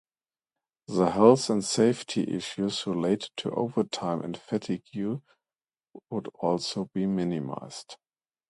The health and safety issues related to overtime and fatigue would also be minimised.